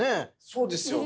そうですよ。